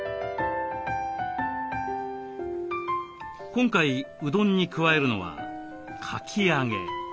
今回うどんに加えるのはかき揚げ。